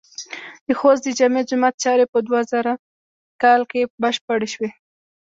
د خوست د جامع جماعت چارې په دوهزرم م کال کې بشپړې شوې.